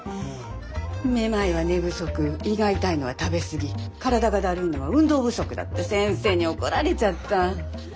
めまいは寝不足胃が痛いのは食べ過ぎ体がだるいのは運動不足だって先生に怒られちゃった。